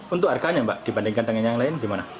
untuk harganya mbak dibandingkan dengan yang lain gimana